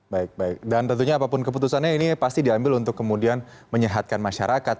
baik baik dan tentunya apapun keputusannya ini pasti diambil untuk kemudian menyehatkan masyarakat